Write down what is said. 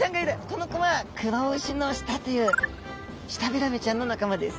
この子はクロウシノシタというシタビラメちゃんの仲間です。